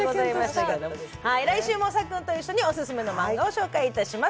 来週もさっくんと一緒にオススメのマンガを紹介します。